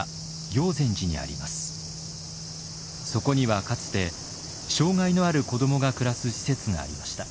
そこにはかつて障害のある子どもが暮らす施設がありました。